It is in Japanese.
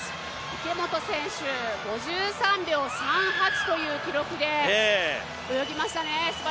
池本選手、５３秒３８という記録で泳ぎましたね。